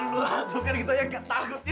bukan gitu ayah